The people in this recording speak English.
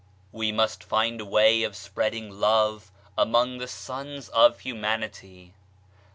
We must find a way of spreading Love among the sons of Humanity.